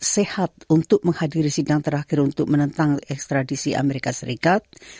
sehat untuk menghadiri sidang terakhir untuk menentang ekstradisi amerika serikat